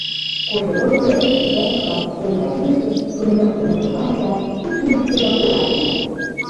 Кошевой пӧртыш десятник-влак пурен кайымеке, Румелёв кынел шогале да кидшым лупшкедыл ойлаш тӱҥале.